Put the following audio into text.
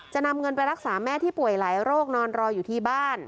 จะนำเงินไปรักษาแม่ที่ป่วยหลายโรคนอนรออยู่ที่บ้าน